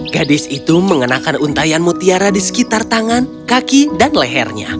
gadis itu mengenakan untayan mutiara di sekitar tangan kaki dan lehernya